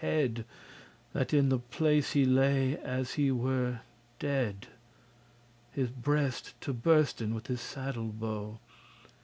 *pitched top That in the place he lay as he were dead. His breast to bursten with his saddle bow.